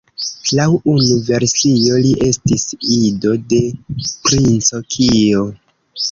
Laŭ unu versio li estis ido de Princo Kio.